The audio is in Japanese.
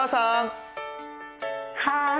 はい。